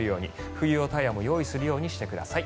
冬用タイヤも用意するようにしてください。